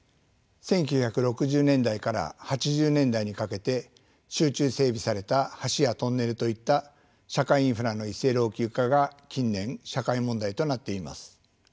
１９６０年代から８０年代にかけて集中整備された橋やトンネルといった社会インフラの一斉老朽化が近年社会問題となっています。